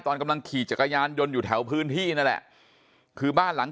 ตอนกำลังขี่จักรยานยนต์อยู่แถวพื้นที่นั่นแหละคือบ้านหลัง